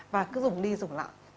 và cứ dùng đi dùng lại